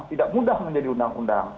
tidak mudah menjadi undang undang